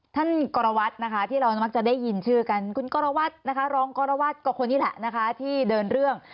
ท่านกรวัตรที่เรามักจะได้ยินชื่อกันคุณกรวัตรร้องกรวัตรก็คนนี้แหละที่เดินเรื่อง